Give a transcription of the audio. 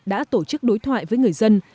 đã tổ chức đối thoại với người dân